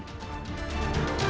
kami akan segera kembali